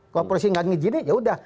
kalau polisi nggak mengizini ya udah